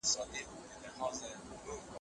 انټرنیټ د زده کړې د کیفیت خنډونه له منځه وړي.